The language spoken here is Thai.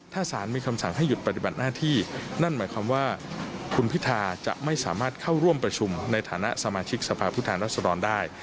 ถ้าสารมีคำสั่งให้หยุดปฏิบัติหน้าที่นั่นหมายความว่าคุณพิธาจะไม่สามารถเข้าร่วมประชุมในฐานะสมาชิกสภาพผู้แทนรัศดรได้